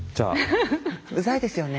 うざいですよね？